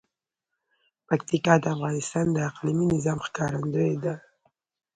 پکتیکا د افغانستان د اقلیمي نظام ښکارندوی ده.